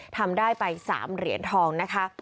ทำได้ไป๓เหรียญทองนะคะ